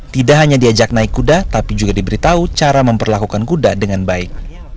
tidak hanya diajak naik kuda tapi juga diberitahu cara memperlakukan kuda dengan baik